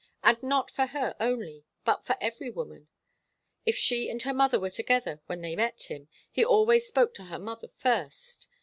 And not for her only, but for every woman. If she and her mother were together when they met him, he always spoke to her mother first.